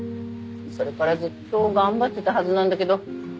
それからずっと頑張ってたはずなんだけど。